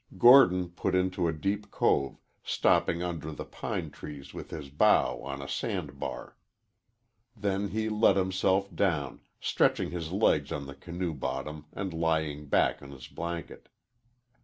Gordon put into a deep cove, stopping under the pine trees with his bow on a sand bar. Then he let himself down, stretching his legs on the canoe bottom and lying back on his blanket.